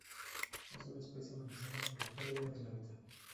Es una especie amenazada por la perdida de hábitat.